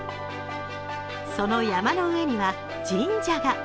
その山の上には神社が。